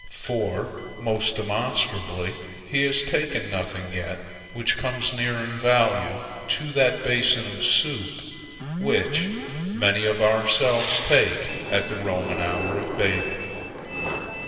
For most demonstrably he has taken nothing yet which comes near in value to that basin of soup which many of ourselves take at the Roman hour of bathing.